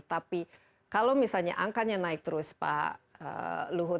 tapi kalau misalnya angkanya naik terus pak luhut